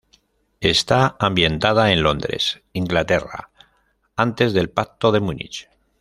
Está ambientada en Londres, Inglaterra, antes del Pacto de Múnich.